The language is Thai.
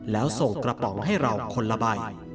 แล้วส่งกระป๋องให้เราคนละใบ